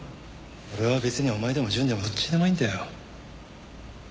俺は別にお前でも淳でもどっちでもいいんだよ。